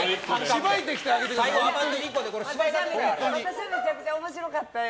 私、めちゃくちゃ面白かったよ。